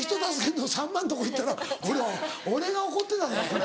んと３万とこ行ったら俺が怒ってたで。